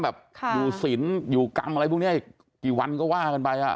แบบอยู่ศิลป์อยู่กรรมอะไรพวกนี้อีกกี่วันก็ว่ากันไปอ่ะ